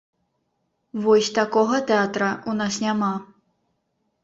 Вось такога тэатра ў нас няма!